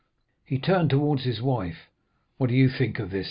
He turned towards his wife. "'What do you think of this?